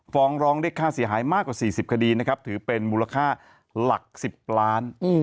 ฟ้องร้องเรียกค่าเสียหายมากกว่า๔๐คดีนะครับถือเป็นมูลค่าหลัก๑๐ล้าน